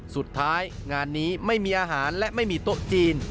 สุดท้ายงานนี้ไม่มีอาหารและไม่มีโต๊ะจีน